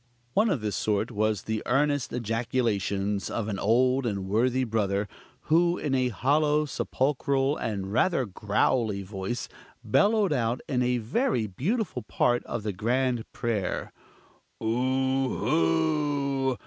One of this sort was the earnest ejaculations of an old and worthy brother, who, in a hollow, sepulchral, and rather growly voice, bellowed out in a very beautiful part of the grand prayer: "Oohhoo!